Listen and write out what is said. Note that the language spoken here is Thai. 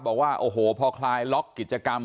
บอกว่าโอ้โหพอคลายล็อกกิจกรรม